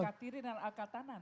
alkatiri dan alkatanan